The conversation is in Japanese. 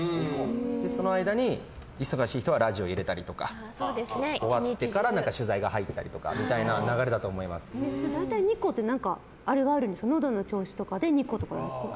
その間に忙しい人はラジオを入れたりとか終わってから取材が入ったりみたいな大体２個ってのどの調子とかで２個なんですか。